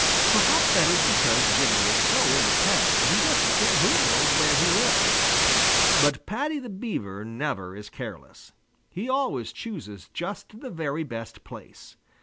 Perhaps that is because Jimmy is so independent that he doesn't care who knows where he lives. But Paddy the Beaver never is careless. He always chooses just the very best place.